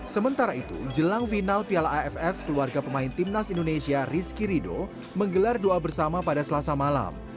sementara itu jelang final piala aff keluarga pemain timnas indonesia rizky rido menggelar doa bersama pada selasa malam